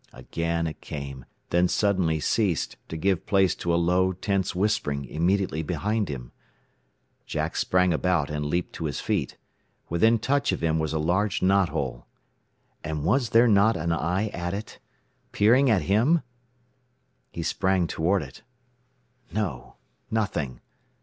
Again it came, then suddenly ceased to give place to a low, tense whispering immediately behind him. Jack sprang about, and leaped to his feet. Within touch of him was a large knot hole. And was there not an eye at it? Peering at him? He sprang toward it. No! Nothing!